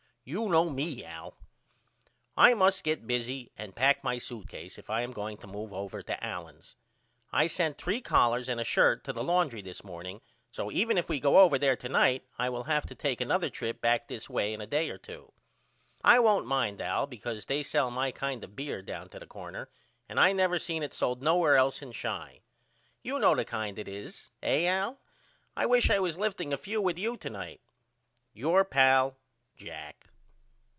Yo know me Al. I must get busy and pack my suitcase if I am going to move over to Allen's. I sent three collars and a shirt to the laundrey this morning so even if we go over there to night I will have to take another trip back this way in a day or two. I won't mind Al because they sell my kind of beer down to the corner and I never seen it sold nowheres else in Chi, You know the kind it is, eh Al? I wish I was lifting a few with you to night. Your pal, JACK.